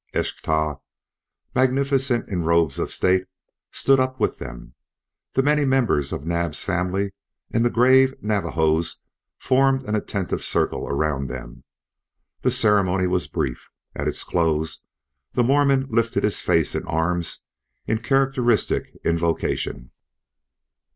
Eschtah, magnificent in robes of state, stood up with them. The many members of Naab's family and the grave Navajos formed an attentive circle around them. The ceremony was brief. At its close the Mormon lifted his face and arms in characteristic invocation.